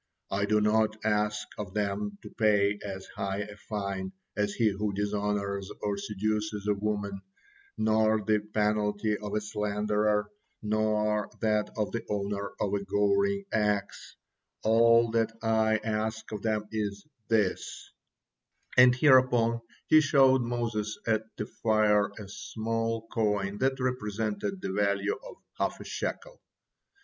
I do not ask of them to pay as high a fine as he who dishonors or seduces a woman, nor the penalty of a slanderer, nor that of the owner of a goring ox, all that I ask of them is this," and hereupon he showed Moses at the fire a small coin that represented the value of half a shekel.